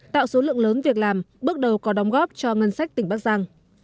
tạo số lượng lớn việc làm bước đầu có đóng góp cho ngân sách tỉnh bắc giang